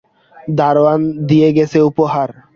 দারোয়ান দিয়ে গেছে উপহার।